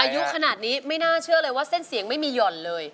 อายุขนาดนี้ไม่น่าเชื่อเลยว่าเส้นเสียงไม่มีหย่อนเลย